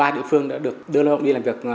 ba địa phương đã được đưa lao động đi làm việc